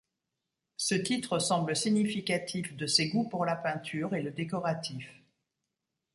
Ce titre semble significatif de ses goûts pour la peinture et le décoratif.